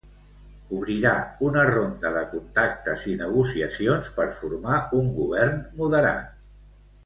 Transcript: Obrirà una ronda de contactes i negociacions per formar un govern “moderat”.